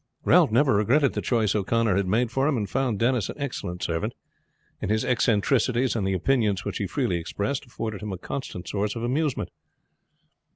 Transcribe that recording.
Ralph never regretted the choice O'Connor had made for him, and found Denis an excellent servant; and his eccentricities and the opinions which he freely expressed afforded him a constant source of amusement.